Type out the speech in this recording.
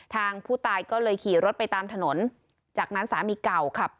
ทางผู้ตายก็เลยขี่รถไปตามถนนจากนั้นสามีเก่าขับ